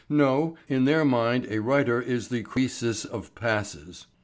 No, in their mind a writer is the Croesus of passes.